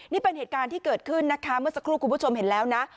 นี่เป็นเหตุการณ์ที่เกิดขึ้นนะคะเมื่อสักครู่คุณผู้ชมเห็นแล้วนะ